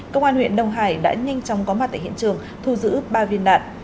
công an huyện đông hải đã nhanh chóng có mặt tại hiện trường thu giữ ba viên đạn